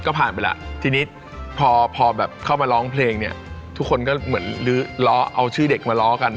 ก็ผ่านไปแล้วทีนี้พอพอแบบเข้ามาร้องเพลงเนี่ยทุกคนก็เหมือนลื้อล้อเอาชื่อเด็กมาล้อกัน